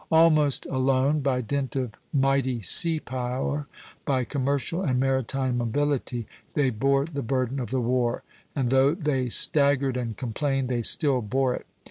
Almost alone, by dint of mighty sea power, by commercial and maritime ability, they bore the burden of the war; and though they staggered and complained, they still bore it.